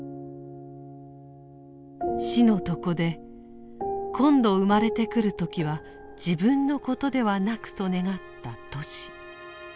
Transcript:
死の床で「今度生まれて来る時は自分のことではなく」と願ったトシ。